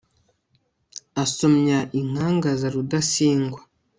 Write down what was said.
asomya inkangaza rudasingwa